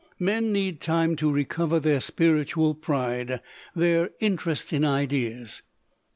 Men need time to recover their spiritual pride, their interest in ideas."